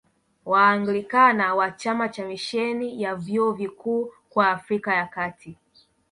Waanglikana wa chama cha Misheni ya Vyuo Vikuu kwa Afrika ya Kati